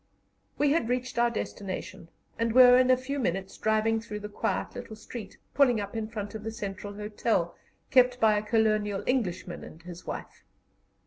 We had reached our destination, and were in a few minutes driving through the quiet little street, pulling up in front of the Central Hotel, kept by a colonial Englishman and his wife.